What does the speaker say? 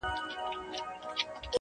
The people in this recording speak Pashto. بر ئې سته، برکت ئې نسته.